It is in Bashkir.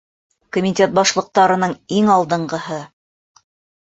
Комитет башлыҡтарының иң алдынғыһы!